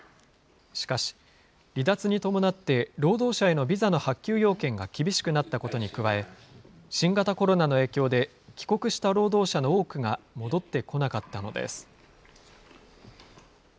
しかし、離脱に伴って労働者へのビザの発給要件が厳しくなったことに加え、新型コロナの影響で帰国した労働者の多くが戻ってこなかったのです。